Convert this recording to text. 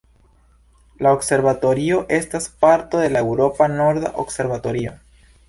La Observatorio estas parto de la Eŭropa norda observatorio.